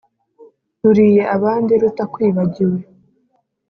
ruriye abandi rutakwibagiwe.